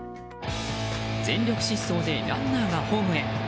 全力疾走でランナーがホームへ。